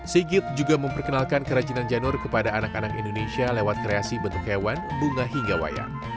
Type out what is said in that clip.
sigit juga memperkenalkan kerajinan janur kepada anak anak indonesia lewat kreasi bentuk hewan bunga hingga wayang